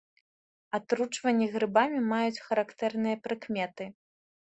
Атручванні грыбамі маюць характэрныя прыкметы.